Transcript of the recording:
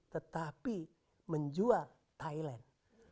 tetapi menjual thailand